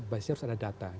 pasti harus ada data